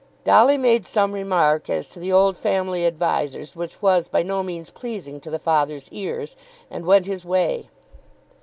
Dolly made some remark as to the old family advisers which was by no means pleasing to the father's ears, and went his way.